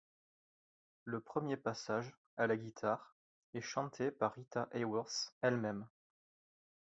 Le premier passage, à la guitare, est chanté par Rita Hayworth elle même.